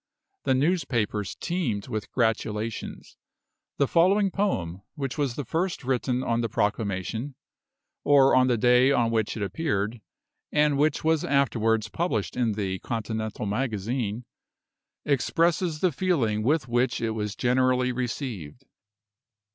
The newspapers teemed with gratulations. The following poem, which was the first written on the proclamation, or on the day on which it appeared, and which was afterwards published in the "Continental Magazine," expresses the feeling with which it was generally received.